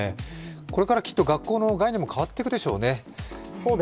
これからきっと学校の概念も変わっていくでしょうね。